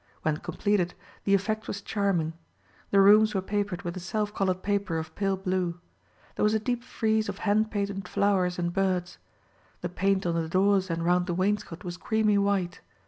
When completed, the effect was charming. The rooms were papered with a self colored paper of pale blue. There was a deep frieze of hand painted flowers and birds. The paint on the doors and round the wainscot was creamy white.